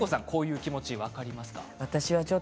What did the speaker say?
こういう気持ち分かりますか？